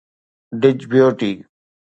Djibouti